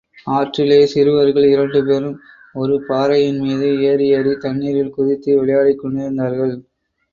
ஆற்றிலே சிறுவர்கள் இரண்டு பேரும் ஒரு பாறையின்மீது ஏறி ஏறித் தண்ணீரில் குதித்து விளையாடிக்கொண்டிருந்தார்கள்.